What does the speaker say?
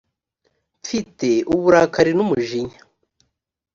mfite uburakari n’umujinya